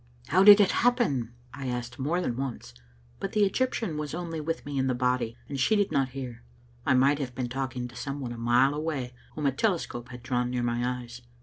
*'How did it happen?" I asked more than once, but the Eg)rptian was only with me in the body, and she did not hear. I might have been talking to some one a mile away whom a telescope had drawn near my eyes.